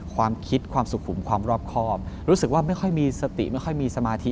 ความคิดความสุขุมความรอบครอบรู้สึกว่าไม่ค่อยมีสติไม่ค่อยมีสมาธิ